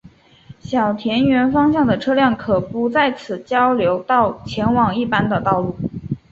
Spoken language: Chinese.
小田原方向的车辆不可在此交流道前往一般道路。